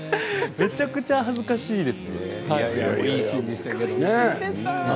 めちゃくちゃ恥ずかしいです。